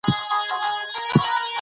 پېغله خوب لیدلی وایي.